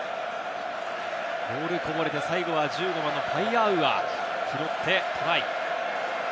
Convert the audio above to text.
ボールこぼれて、最後は１５番のパイアアウア、拾ってトライ。